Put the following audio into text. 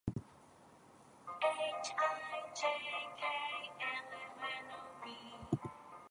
We may hope that future students will rely upon our friends.